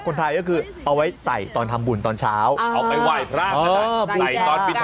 บอกว่าซื้อดอกไม้มาให้ที